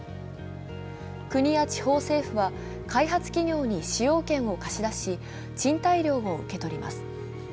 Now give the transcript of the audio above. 国や地方政府は、開発企業に使用権を貸し出し賃貸料を受け取ります。